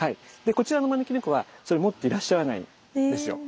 こちらの招き猫はそれ持っていらっしゃらないんですよ。